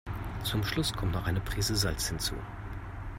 Zum Schluss kommt noch eine Prise Salz hinzu.